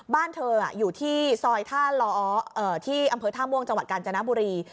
บ้านเธออยู่ที่ซอยท่าล้อที่อำเภอท่าม่วงจังหวัดกาญจนบุรี